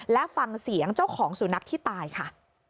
และฟังเสียงเจ้าของสุนัขที่ตายค่ะ